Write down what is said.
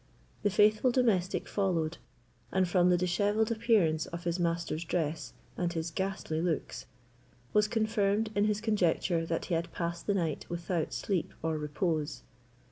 The faithful domestic followed; and from the dishevelled appearance of his master's dress, and his ghastly looks, was confirmed in his conjecture that he had passed the night without sleep or repose.